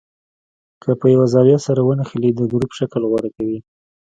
که په یوه زاویه سره ونښلي د ګروپ شکل غوره کوي.